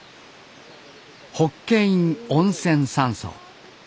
法華院温泉山荘。